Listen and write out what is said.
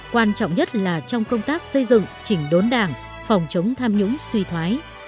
quan trọng nhất là trong công tác xây dựng chỉnh đốn đảng phòng chống tham nhũng suy thoái